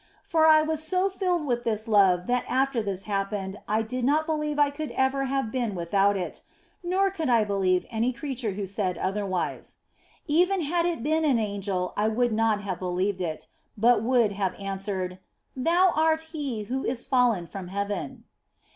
For I was so filled with this love that after this happened I do not believe I could ever have been without it, nor could I believe any creature who said otherwise ; even had it been an angel I would i8o THE BLESSED ANGELA not have believed it, but would have answered, " Thou art he who is fallen from heaven."